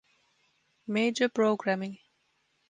Major programming